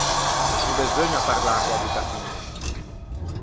No beseugna parlâ co-a bocca piña.